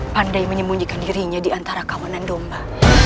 pandai menyembunyikan dirinya diantara kawanan domba